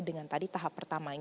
dengan tadi tahap pertama